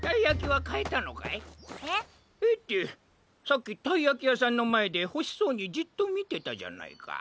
さっきたいやきやさんのまえでほしそうにじっとみてたじゃないか。